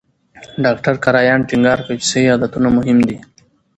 ډاکټر کرایان ټینګار کوي چې صحي عادتونه مهم دي.